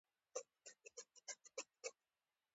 د طبي ټولنې استازی